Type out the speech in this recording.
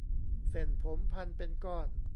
เส้นผมพันเป็นก้อน